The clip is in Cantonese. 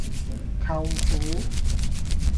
舅父